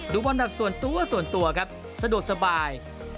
ดูบอลแบบส่วนตัวครับสะดวกสบาย